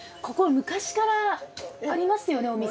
ここ昔からありますよね